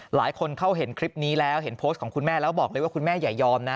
หลายคนเขาเห็นคลิปนี้แล้วเห็นโพสต์ของคุณแม่แล้วบอกเลยว่าคุณแม่อย่ายอมนะ